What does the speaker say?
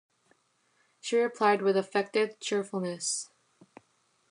She replied with affected cheerfulness.